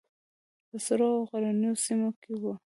په سړو او غرنیو سیمو کې وو.